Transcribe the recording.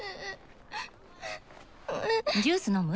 ジュース飲む？